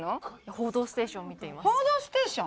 『報道ステーション』？